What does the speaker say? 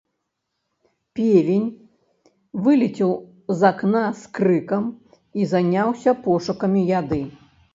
Певень вылецеў з акна з крыкам і заняўся пошукамі яды.